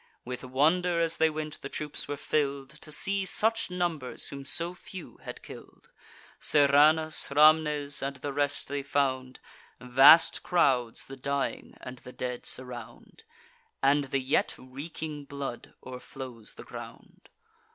With wonder, as they went, the troops were fill'd, To see such numbers whom so few had kill'd. Serranus, Rhamnes, and the rest, they found: Vast crowds the dying and the dead surround; And the yet reeking blood o'erflows the ground.